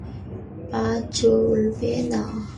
বাস চলবে না!